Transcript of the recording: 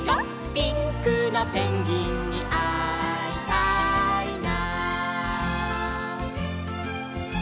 「ピンクのペンギンにあいたいな」